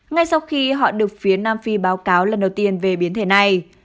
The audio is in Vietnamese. ngay sau khi họ được phía nam phi báo cáo lần đầu tiên về biến thể này